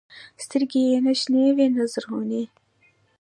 سترګې يې نه شنې وې نه زرغونې.